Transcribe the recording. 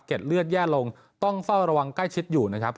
เลือดแย่ลงต้องเฝ้าระวังใกล้ชิดอยู่นะครับ